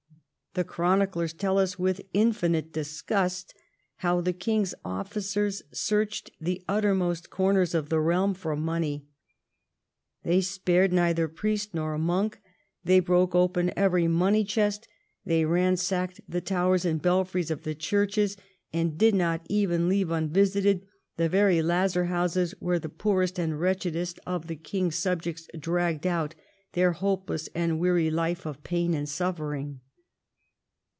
The chroniclers tell us with infinite disgust how the king's officers searched the uttermost corners of the realm for money. They spared neither priest nor monk ; they broke open every money chest; they ransacked the towers and belfries of the churches ; and did not even leave un visited the very lazar houses where the poorest and wretchedest of the king's subjects dragged out their hope less and weary life of pain and suffering.